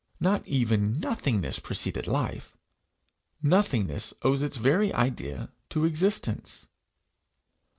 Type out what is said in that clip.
Not even nothingness preceded life. Nothingness owes its very idea to existence.